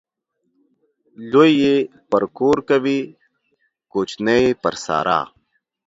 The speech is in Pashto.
لوى يې پر کور کوي ، کوچنى يې پر سارا.